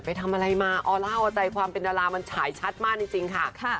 ไปทำอะไรมาออล่าเอาใจความเป็นดารามันฉายชัดมากจริงค่ะ